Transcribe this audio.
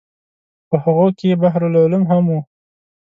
په هغو کې بحر العلوم هم و.